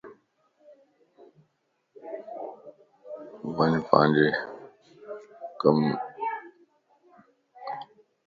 وڃ پانجي ڪم يم